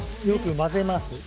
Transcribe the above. よく混ぜます。